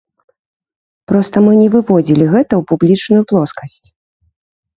Проста мы не выводзілі гэта ў публічную плоскасць.